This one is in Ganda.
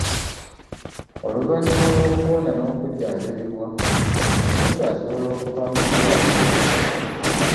Oluvannyuma lw'okuwona n'okujjanjabibwa, omulwadde asobola okuva mu ddwaliro.